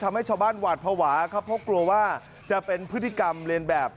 ทำให้ชาวบ้านหวาดภาวะครับเพราะกลัวว่าจะเป็นพฤติกรรมเรียนแบบ